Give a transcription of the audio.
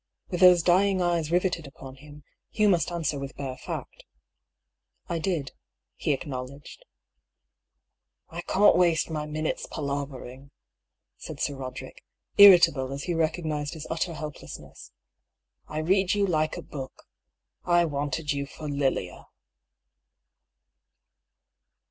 With those dying eyes riveted upon him, Hugh must answer with bare fact. " I did," he acknowledged. " I can't waste my minutes palavering," said Sir Boderick, irritable as he recognised his utter helpless ness. " I read you like a book. I wanted you for Lilia."